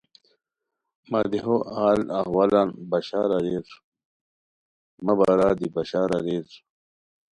مہ دیہو حال احوالان بشار اریرمہ بارا دی بشار اریر